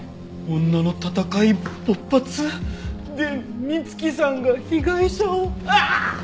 女の戦い勃発？で美月さんが被害者をあっ！